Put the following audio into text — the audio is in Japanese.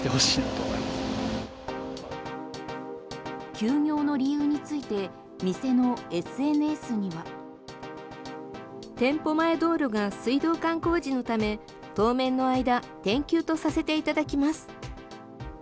休業の理由について店のＳＮＳには。店舗前道路が水道管工事のため当面の間店休とさせていただきます。